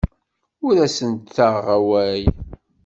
Ur asent-ttaɣeɣ awal.